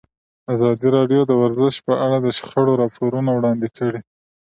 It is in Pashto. ازادي راډیو د ورزش په اړه د شخړو راپورونه وړاندې کړي.